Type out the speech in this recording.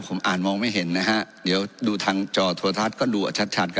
ผมอ่านมองไม่เห็นนะฮะเดี๋ยวดูทางจอโทรทัศน์ก็ดูชัด